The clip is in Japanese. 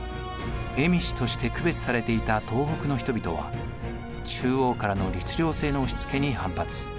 蝦夷として区別されていた東北の人々は中央からの律令制の押しつけに反発。